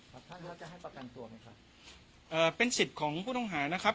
ท่านแล้วจะให้ประกันตัวไหมครับเอ่อเป็นสิทธิ์ของผู้ต้องหานะครับ